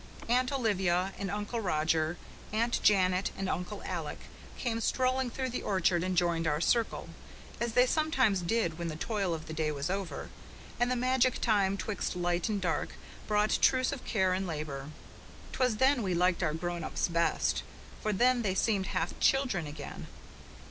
Aunt Olivia and Uncle Roger, Aunt Janet and Uncle Alec, came strolling through the orchard and joined our circle, as they sometimes did when the toil of the day was over, and the magic time 'twixt light and dark brought truce of care and labour. 'Twas then we liked our grown ups best, for then they seemed half children again.